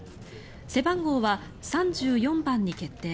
背番号は３４番に決定。